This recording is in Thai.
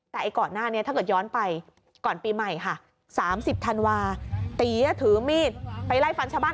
แต่ก่อนหน้านี้ถ้าเกิดย้อนไปก่อนปีใหม่ค่ะ๓๐ธันวาตีถือมีดไปไล่ฟันชาวบ้าน